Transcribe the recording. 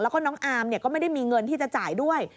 แล้วก็น้องอาร์มก็ไม่ได้มีเงินที่จะจ่ายด้วย